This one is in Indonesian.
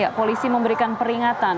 ya polisi memberikan peringatan